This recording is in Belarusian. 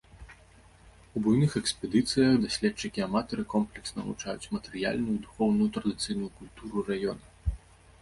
У буйных экспедыцыях даследчыкі-аматары комплексна вывучаюць матэрыяльную і духоўную традыцыйную культуру раёна.